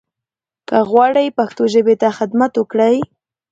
که غواړٸ پښتو ژبې ته خدمت وکړٸ